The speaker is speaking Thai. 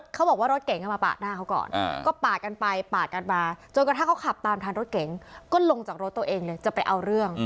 เขาบอกว่ารถเก๋งมาปาดหน้าเขาก่อนก็ปาดกันไปปาดกันมาจนกระทั่งเขาขับตามทันรถเก๋งก็ลงจากรถตัวเองเลยจะไปเอาเรื่อง